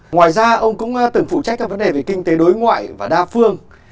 ngoài ra ông cũng từng phụ trách các vấn đề về kinh tế đối ngoại và đa phương